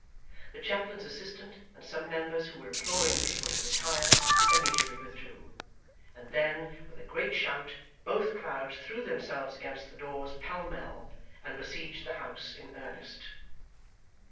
The chaplain's assistant, and some members who were imploring the people to retire, immediately withdrew; and then, with a great shout, both crowds threw themselves against the doors pell mell, and besieged the House in earnest.